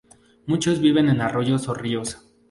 Muchos viven en arroyos o ríos.